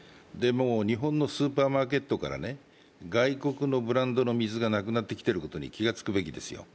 日本のスーパーマーケットから外国のブランドの水がなくなってきてることに気がつくべきですよ。